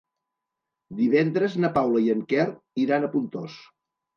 Divendres na Paula i en Quer iran a Pontós.